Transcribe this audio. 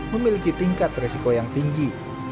memiliki tingkat resiko yang tinggi